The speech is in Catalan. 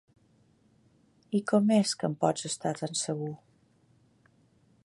I com és que en pots estar tan segur?